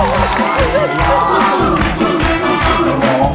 รักเธอครับ